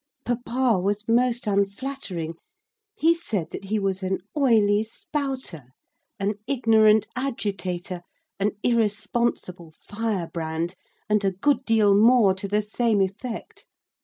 Papa was most unflattering. He said that he was an oily spouter, an ignorant agitator, an irresponsible firebrand, and a good deal more to the same effect.